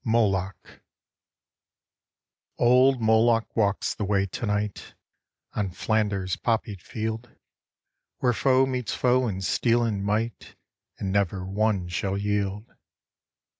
Moloch OLD Moloch walks the way tonight On Flander's poppied field, Where foe meets foe in steel and might And never one shall yield.